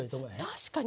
確かに。